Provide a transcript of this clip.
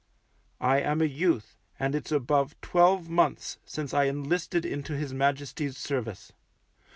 I am a youth and it's above twelve months since I enlisted into his Majesty's Service.